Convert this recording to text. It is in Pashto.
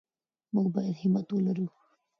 موږ باید همت ولرو.